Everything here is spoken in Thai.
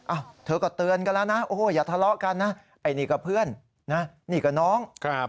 เธอก็เตือนกันแล้วนะโอ้โหอย่าทะเลาะกันนะไอ้นี่ก็เพื่อนนะนี่ก็น้อง